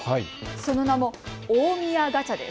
その名も大宮ガチャです。